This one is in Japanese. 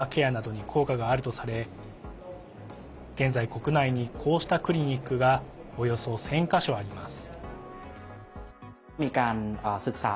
てんかんや末期がん患者の緩和ケアなどに効果があるとされ現在、国内にこうしたクリニックがおよそ１０００か所あります。